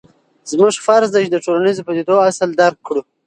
زموږ فرض دی چې د ټولنیزو پدیدو اصل درک کړو.